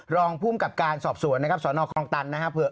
ลองภูมิกับการสอบส่วนศคองตันนะฮะ